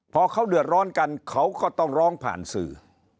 พอเขาเดือดร้อนกันเขาก็ต้องร้องผ่านสื่อ